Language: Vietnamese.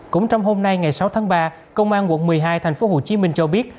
cũng trong hôm nay ngày sáu tháng ba công an quận một mươi hai thành phố hồ chí minh cho biết